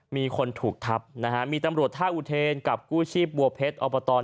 มีคนถูกทับนะฮะมีตำรวจท่าอุเทนกับกู้ชีพบัวเพชรอบต